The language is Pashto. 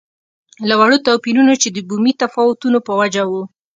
له وړو توپیرونو چې د بومي تفاوتونو په وجه وو.